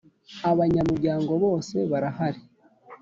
Abanyamuryango bose barahari.